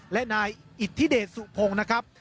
และนายอิทธิเดชสุพงศ์นะครับ